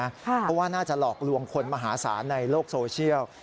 เพราะว่าน่าจะหลอกลวงคนมหาศาลในโลกโซเชียล